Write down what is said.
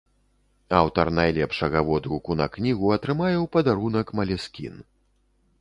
Аўтар найлепшага водгуку на кнігу атрымае ў падарунак малескін.